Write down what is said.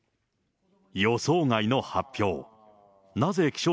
予想外の発表。